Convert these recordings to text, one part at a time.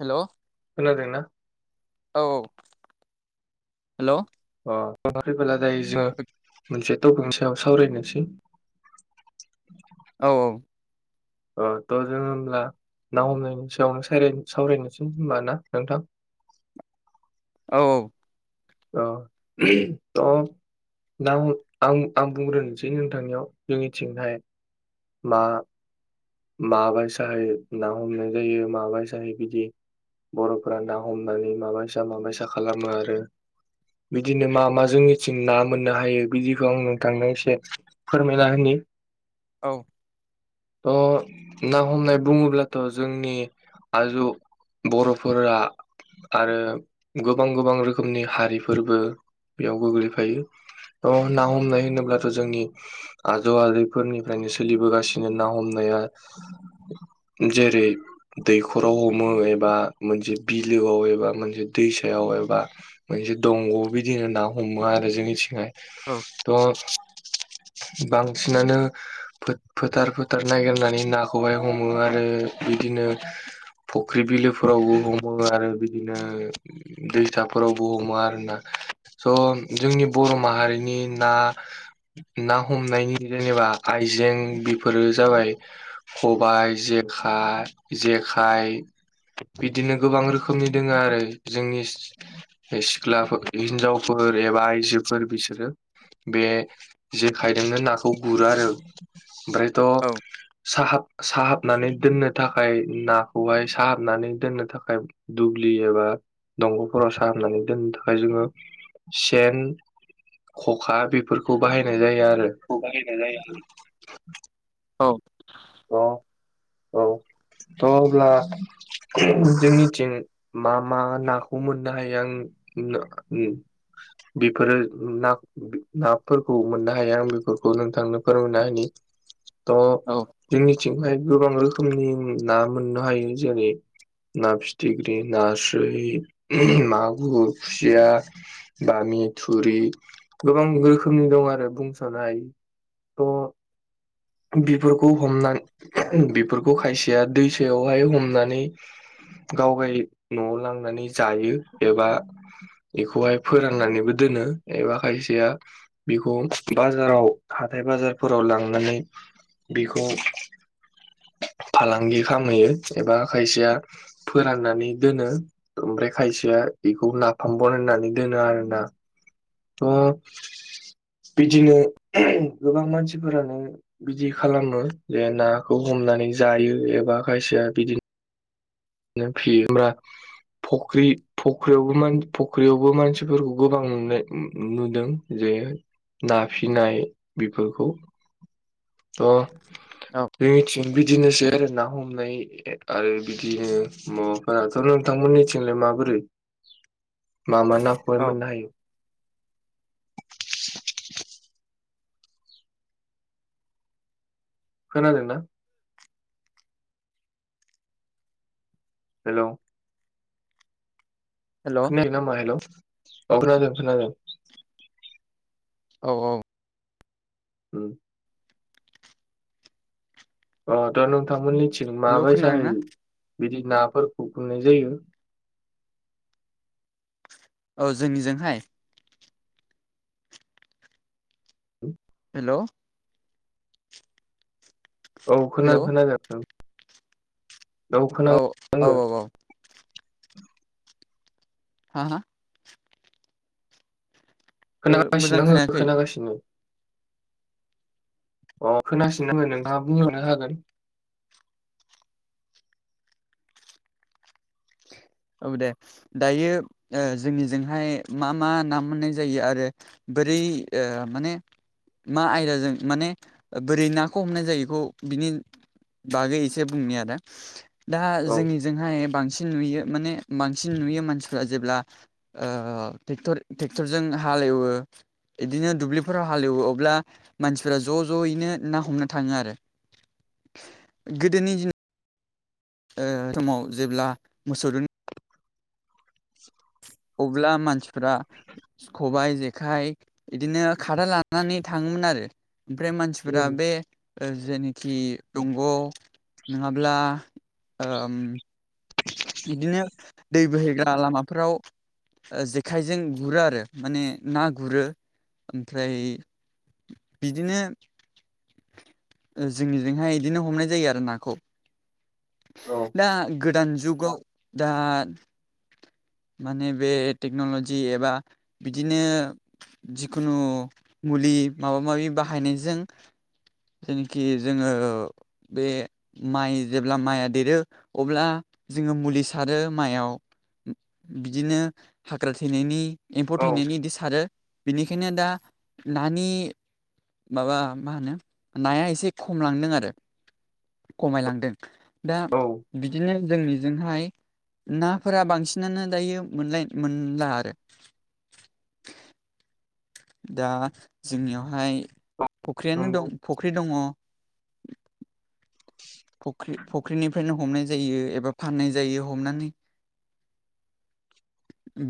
हेल'? खोनादोंना? औ औ हेल' अ फैबोला दायो जोङो मोनसे टपिकनि सायाव सावरायनोसै। औ औ। अ थ' जोङो होमब्ला ना हमनायनि सायावनो सावराय सावरायनोसै होनबा ना नोंथां? औ औ। अ ओहोम अ ना आं आं बुंग्रोनोसै नोंथांनियाव जोंनिथिंजाय मा? माबायसाहै ना हमनाय जायो माबाय साहै बिदि बर'फोरा ना हमनानै माबायसा माबायसा खालामो आरो। बिदिनो मा मा जोंनिथिं ना मोननो हायो बिदिखौ आं नोंथांनो एसे फोरमायना होनि औ। अ ना हमनाय बुङोब्लाथ' जोंनि आजौ बर'फोरा आरो गोबां गोबां रोखोमनि हारि रिफोरबो बेयाव गोग्लैफायो थ' ना हमनाय होनोब्लाथ' जोंनि आजौ आजैफोरनिफ्रायनो सोलिबोगासिनो ना हमनाया जेरै दैखराव हमो एबा मोनसे बिलोआव एबा मोनसे दैसायाव एबा मोनसे दंग बिदिनो ना हमो आरो जोंनिथिंहाय थ' बांसिनानो फो फोथार फोथार नागिरनानै नाखौहाय हमो आरो बिदिनो फुख्रि बिलोफोरावबो हमो आरो बिदिनो दैसाफोरावबो बो हमो आरो ना थ' जोंनि बर' माहारिनि ना ना हमनायनि जेनेबा आयजें बेफोरो जाबाय खबाइ जेखाय जेखाय बिदिनो गोबां रोखोमनि दोङो आरो जोंनि सिख्लाफोर हिनजावफोर एबा आयजोफोर बिसोरो बे जेखाइजोंनो नाखौ गुरो आरो औ ओमफ्रायथ' साहाब साहाबनानै दोननो थाखाय नाखौहाय साहाबनानै दोननो थाखाय दुब्लि एबा दंगफोराव साहाबनानै दोननो थाखाय जोङो सेन खखा बेफोरखौ बाहायनाय जायो आरो खौ बाहायनाय जायो आरो औ औ औ थ' अब्ला जोंनिथिं मा मा नाखौ मोननो हायो आं ना ओ बेफोरो ना नाफोरखौ मोननो हाया आं बेछफोरखौ नोंथांनो फोरमायना होनि थ' जोंनिथिंहाय गोबां रोखोमनि ना मोननो हायो जेरै ना फिथिख्रि, नास्राय, मागुर, खुसिया बामि, थुरि, गोबां रोखोमनि दं आरो बुंस'नाय थ' बेफोरखौ हमना बेफोरखौ खायसेया दैसायावहाय हमनानै गाव गाय न'आव लांनानै जायो एबा बेखौहाय फोराननानैबो दोनो एबा खायसेया बेखौ बाजाराव हाथाय बाजारफोराव लांनानै बेखौ फालांगि खालामहैयो एबा खायसेया फोराननानै दोनो ओमफ्राय खायसेया एखौ नाफामबन बनायनानै दोनो आरो ना थ' बिदिनो गोबां मानसिफोरानो बिदि खालामो जे नाखौ हमनानै जायो एबा खायसेया बिदिनो फियो होमब्रा फख्रि फख्रियावबो मान फख्रियावबो मानसिफोरखौ गोबां नुनाय नुदों जे ना फिनाय बेफोरखौ अ जोंनिथिं बिदिनोसै आरो ना हमनाय आरो बिदि बिदिनो माबाफोराथ' नोंथांमोननिथिंलाय माबोरै? मा मा नाखौहाय मोननो हायो? खोनादों ना? हेलौ हेल' औ खोनायाखै नामा हेलौ? खोनादों खोनादों! औ औ उम अ थ' नोंथांमोननिथिं हेल' खोनादोंना माबायसाहायो बिदि नाफोरखौ खुंनाय जायो? औ जोंनिजोंहाय औ हेल' औ खोनादों खोनादों नोंथां औ औ औ औ हा हा मोजां खोनागासिनो आङो खोनायाखै खोनागासिनो अ खोनासिनांगोन नोंथाङा बुंहरनो हागोन औ दे दायो जोंनिजोंहाय मा मा ना मोननाय जायो आरो बोरै ओ माने मा आयदाजों माने बोरै नाखौ हमनाय जायो बेखौ बिनि बागै एसे बुंनाय आदा दा औ जोंनिजोंहाय बांसिन नुयो माने बांसिन नुयो मानसिफ्रा जेब्ला ओ ट्रेक्टर ट्रेक्टरजों हालेवो बिदिनो दुब्लिफोराव हालेवो अब्ला मानसिफोरा ज' ज'यैनो ना हमनो थाङो आरो गोदोनि दिन ओ समाव जेब्ला मोसौ अब्ला मानसिफ्रा खबायाइ जेखाइ बिदिनो खादा लानानै थाङोमोन आरो ओमफ्राय मानसिफोरा उम बे जेनोखि दंग' नङाब्ला बिदिनो दै बोहैग्रा लामाफोराव जेखाइजों गुरो आरो माने ना गुरो ओमफ्राय बिदिनो जोंनिजोंहाय बिदिनो हमनाय जायो आरो नाखौ औ दा गोदान जुगाव दा माने बे टेक्न'लजि एबा बिदिनो जिखुनु मुलि माबा माबि बाहायनायजों जेनाखि जोङो बे माइ जेब्ला माइआ देरो अब्ला जोङो मुलि सारो माइयाव बिदिनो हाग्रा थैनायनि एम्फौ औ थैनायनि बिदि सारो बिनिखायनो दा नानि माबा मा होनो नाया एसे खमलांदों आरो खमायलांदों दा औ बिदिनो जोंनिजोंहाय नाफोरा बांसिन बिसिनानो दायो मोनलाय मोनला आरो दा जोंनियावहाय फख्रियानो नंगौ दं फख्रि दङ फ्रि फख्रिनिफ्रायनो हमनाय जायो एबा फाननाय जायो हमनानै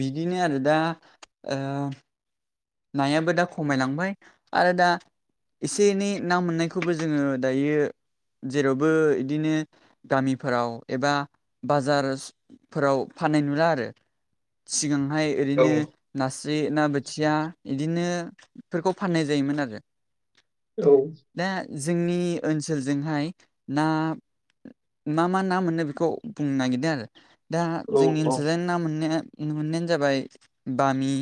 बिदिनो आरो दा नायाबो दा खमायलांबाय आरो दा एसे एनै ना मोननायखौबो जोङो दायो जेरावबो इदिनो गामिफोराव एबा बाजारफोराव फाननाय नुला आरो सिगांहाय औ ओरैनो नासाय ना बोथिया बिदिनोफोरखौ फाननाय जायोमोन आरो औ दा जोंनि ओनसोलजोंहाय ना मा मा ना मोनो बेखौ बुंनो नागिरदों आरो दा औ जोंनि ओनसोल ना मोननाय नुनो मोननायानो जाबाय बामि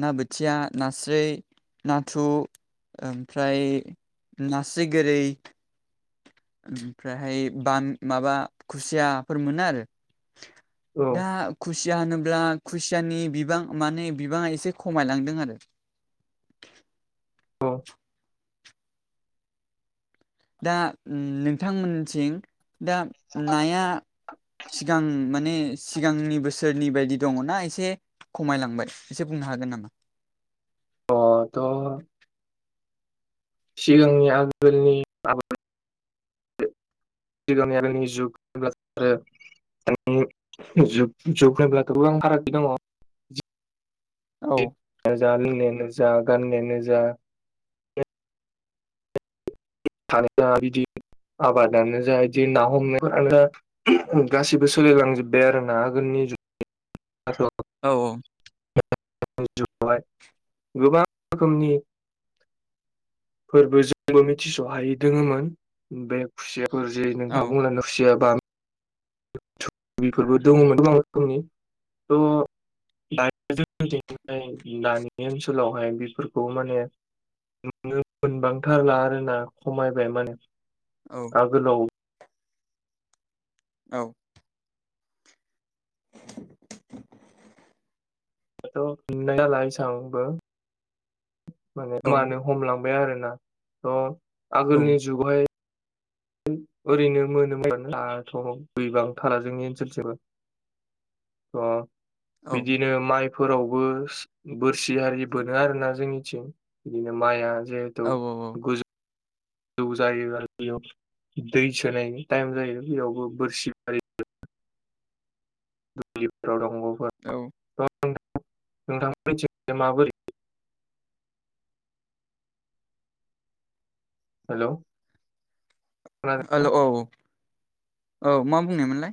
ना बोथि खोथिया नास्राय नाथुर ओमफ्राय नास गोरै ओमफ्रायहाय ब माबा खुसियाफोर मोनो आरो औ दा खुसिया होनोब्ला खुसियानि बिबां माने बिबाङा एसे खमायलांदों आरो औ दा नोंथांमोनथिं दा नाया सिगां माने सिगांनि बोसोरनि बायदि दङनाा एसे खमायलांबाय एसे बुंनो हागोन नामा अथ' सिगांनि आगोलनि आद [unintelligible] आरो [unintelligible] जुग होनब्ला गोबां फारागथि दङ। औ जा लोंनायानो जा गाननायानो जा थानो बिदि आबादानो जा बिदि ना हमनायानो जा गासिबो सोलिलांजोबबाय आरो ना आगोलनि जु [unintelligible] औ औ हाय गोबां रोखोमनि फोरबो जोंबो मिथिस'हायै दोङोममोन बे खुसियाफोर ज औ नोंथांमोना खुसियाबा फोरबो दङमोन आां रोखोमनि थ' दायो जोंनिथेंजाय दानि ओनसोलावहाय बेफोरखौ माने न मोनबांथारला आरोना खमायबाय माने औ आगोलाव औ [inaudible] [unintelligible] माने औ मानो हमलांबाय आरोना थह आगोलनि जुगहाय ओरैनो मोनोमोनब्लाथ' गैबांथारा जोंनि ओनसोलथिंबो। अ बिदिनो माइ फोरावबो बोरसि हारि बोनो आरोना जोंनिथिं बिदिनो माइआ जे औ औ गुज [unintelligible] जौ जायो आरो बेयाव दै सोनायनि टाइम जायो बेयावबो बोरसि [unintelligible] दुब्लिफोराव दंगौफोर औ। नोंथां मोननिथिंलाय माबोरै? हेलौ। हेल' औ औ मा बुंनायमोनलाय?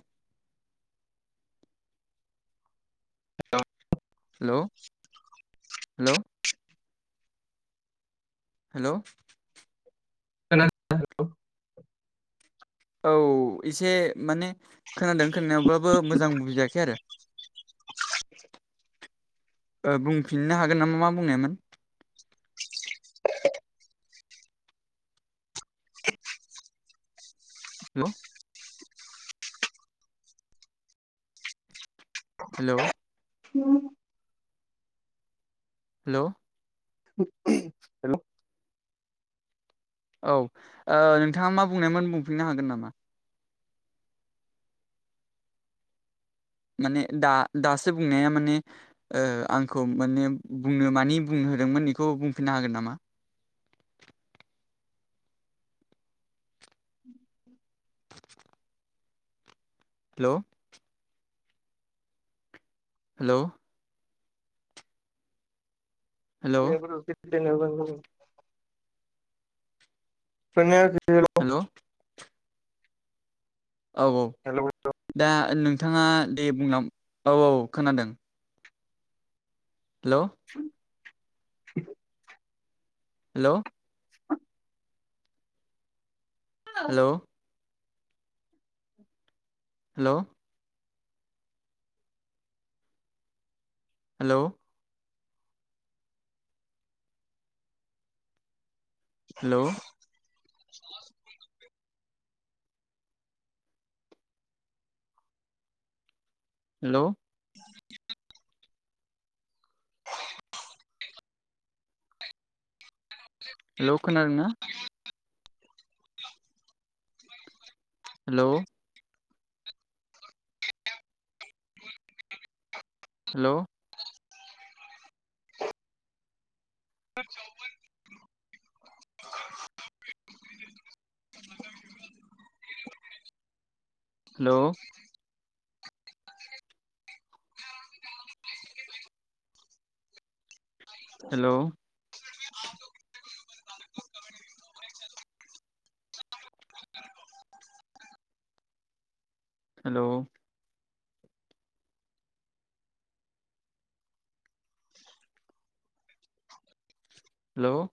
[unintelligible] हेल' हेल'। हेल'। खोनादोंना नोंथां? औ एसे माने खोनादों खोनाबाबाबबो मोजां मुभि जायाखै आरो। बुंफिननो हागोन नामा मा बुंनायमोन। हेल'। हेलौ। [unintelligible] हेलौ। [unintelligible] हेलौ। औ नोंथाङा मा बुंनायमोन बुंफिननो हागोन नामा? माने दा दासो बुंनाया माने ओ आंखौ माने बुंनो मानि बुंनो होदोंमोन बेखौ बुंफिननो हागोन नामा? [inaudible] हेलौ। हेलौ। Hello [unintelligible] [unintelligible] hello. औ औ। हेल दा नोंथाङा दे बुंलां औ औ खोनादों। हेल' [unintelligible] हेल' hello hello. Hello. Hello. [unintelligible] Hello. [unintelligible] [inaudible] लख नार ना [inaudible] हेल' हेल' [unintelligible] [inaudible] हेल' हेल' हेलौ हेल'